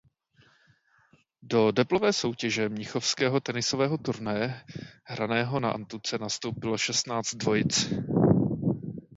Do deblové soutěže mnichovského tenisového turnaje hraného na antuce nastoupilo šestnáct dvojic.